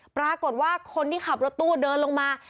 ปรากฏว่าคนที่ขับรถตู้เดินลงมา